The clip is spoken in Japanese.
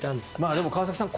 でも川崎さん